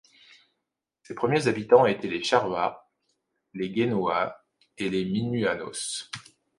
Ses premiers habitants étaient les Charruas, les Guenoas et les Minuanos.